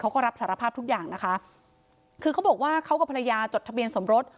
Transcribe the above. เขาก็รับสารภาพทุกอย่างนะคะคือเขาบอกว่าเขากับภรรยาจดทะเบียนสมรส